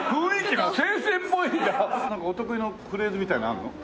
なんかお得意のフレーズみたいなのあるの？